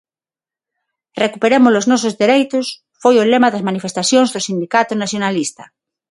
"Recuperemos os nosos dereitos" foi o lema das manifestacións do sindicato nacionalista.